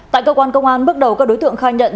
tại cơ quan công an bước đầu các đối tượng khai nhận